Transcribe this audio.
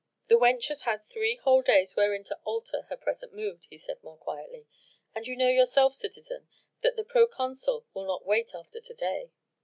"The wench has had three whole days wherein to alter her present mood," he said more quietly, "and you know yourself, citizen, that the proconsul will not wait after to day."